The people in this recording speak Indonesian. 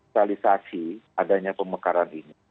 stabilisasi adanya pemekaran ini